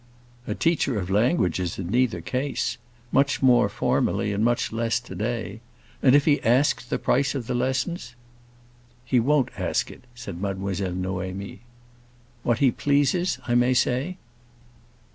"A teacher of languages in neither case! Much more formerly and much less to day! And if he asks the price of the lessons?" "He won't ask it," said Mademoiselle Noémie. "What he pleases, I may say?"